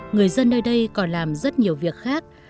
người dân nơi đây còn làm rất nhiều việc khác